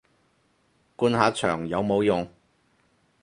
灌下腸有冇用